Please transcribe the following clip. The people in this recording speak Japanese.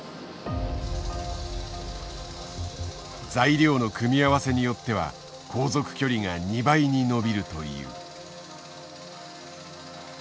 材料の組み合わせによっては航続距離が２倍に伸びるという。